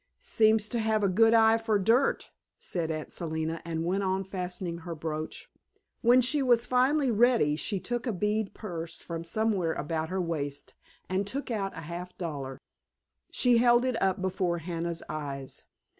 "Seems to have a good eye for dirt," said Aunt Selina and went on fastening her brooch. When she was finally ready, she took a bead purse from somewhere about her waist and took out a half dollar. She held it up before Hannah's eyes.